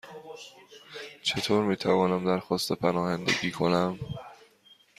چطور می توانم درخواست پناهندگی کنم؟